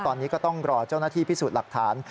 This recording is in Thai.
ตอนนี้ก็ต้องรอเจ้าหน้าที่พิสูจน์หลักฐาน